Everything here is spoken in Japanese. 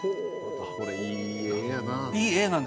これいい絵やな。